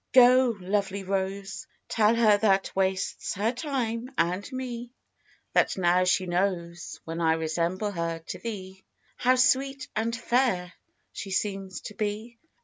Go, lovely Rose, Tell her that wastes her time and me, That now she knows When I resemble her to thee, How sweet and fair she seems to be.